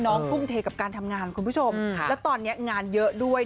ทุ่มเทกับการทำงานคุณผู้ชมแล้วตอนนี้งานเยอะด้วย